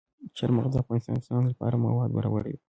چار مغز د افغانستان د صنعت لپاره مواد برابروي.